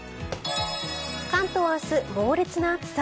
関東明日、猛烈な暑さ。